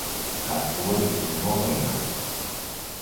Tās lodes viņu nogalinās!